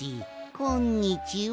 こんにちは！